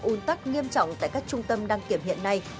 un tắc nghiêm trọng tại các trung tâm đăng kiểm hiện nay